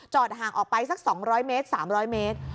จอดห่างออกไปสัก๒๐๐๓๐๐เมตร